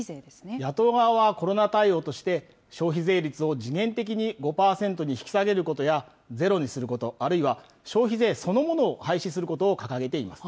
野党側はコロナ対応として、消費税率を時限的に５％に引き下げることや、ゼロにすること、あるいは、消費税そのものを廃止することを掲げています。